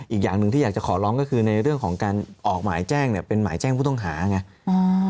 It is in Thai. อีกอย่างหนึ่งที่อยากจะขอร้องก็คือในเรื่องของการออกหมายแจ้งเนี่ยเป็นหมายแจ้งผู้ต้องหาไง